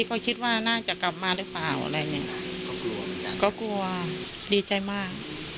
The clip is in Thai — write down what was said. ก็กลัวดีใจมาก